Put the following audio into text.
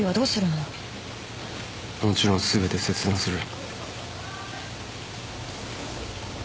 もちろん全て切断する。